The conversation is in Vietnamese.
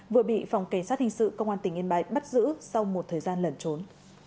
vừa bị phòng cảnh sát hình sự công an tỉnh yên bái bắt giữ sau một thời gian lẩn trốn